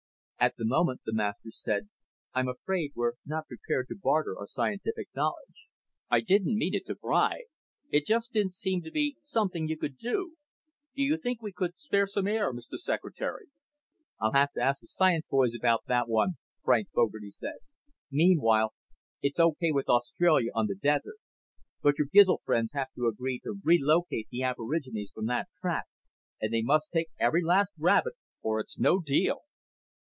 "At the moment," the Master said, "I'm afraid we're not prepared to barter our scientific knowledge." "I didn't mean to pry. It just didn't seem to be something you could do. Do you think we could spare some air, Mr. Secretary?" "I'll have to ask the science boys about that one," Frank Fogarty said. "Meanwhile it's okay with Australia on the desert. But your Gizl friends have to agree to relocate the aborigines from that tract, and they must take every last rabbit or it's no deal."